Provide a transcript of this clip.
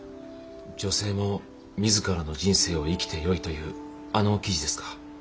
「女性も自らの人生を生きてよい」というあの記事ですか。